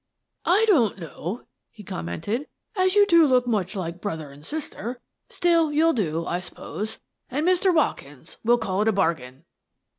"I don't know," he commented, "as you two look much like brother an' sister. Still, you'll do, I suppose, an', Mr. Watkins, we'll call it a bargain."